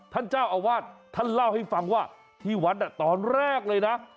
ท่านเจ้าอาวาสท่านเล่าให้ฟังว่าที่วัดตอนแรกเลยนะ